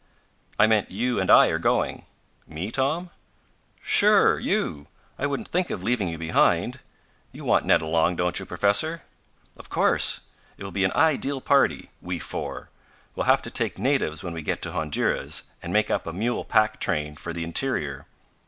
'" "I meant you and I are going." "Me, Tom?" "Sure, you! I wouldn't think of leaving you behind. You want Ned along, don't you, Professor?" "Of course. It will be an ideal party we four. We'll have to take natives when we get to Honduras, and make up a mule pack train for the interior.